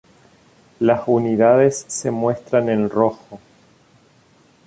Las unidades se muestran en rojo.